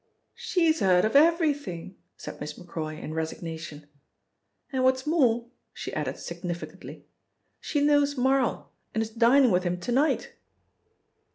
"She's heard of everything," said Miss Macroy in resignation, "and what's more," she added significantly, "she knows Marl, and is dining with him to night."